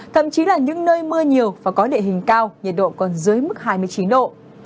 thậm chí là những nơi mưa nhiều và có địa hình cao nhiệt độ còn dưới mức hai mươi chín độ